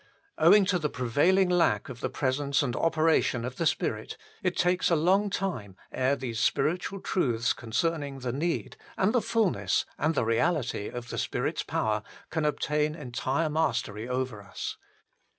Owing to the prevailing lack of the presence and operation of the Spirit, it takes a long time ere these spiritual truths concerning the need, and the fulness, and the reality of the Spirit s power can obtain entire mastery over us.